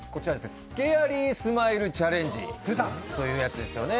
スケアリースマイルチャレンジというやつですね。